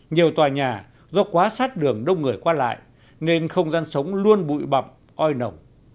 nhiều tòa nhà do quá sát đường đông người qua lại nên không gian sống luôn bụi bập oi nồng